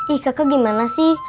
ih kakak gimana sih